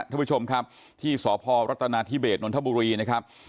ที่ผู้ชมครับที่สพรรัษตนาธิเบดนทบรีนะครับ